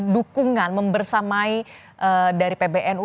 dukungan membersamai dari pbnu